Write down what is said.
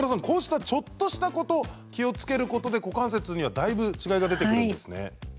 こうしたちょっとしたこと気をつけることで、股関節にはだいぶ違いが出てくるんですね。